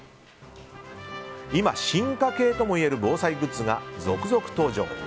今、進化系ともいえる防災グッズが続々登場。